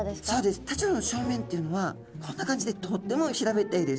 タチウオちゃんの正面っていうのはこんな感じでとっても平べったいです。